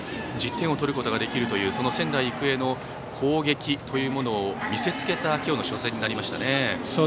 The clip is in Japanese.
１０点を取ることができるという仙台育英の攻撃というものを見せ付けた初戦になりましたね。